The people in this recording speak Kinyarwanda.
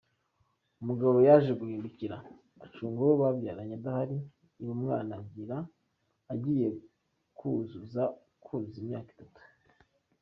Umugabo yaje guhindukira acunga uwo babyaranye adahari, yiba umwana agiye kuzuza kuzuza imyaka itatu.